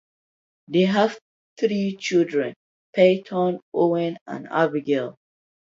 They have three children, Peyton, Owen, and Abigail.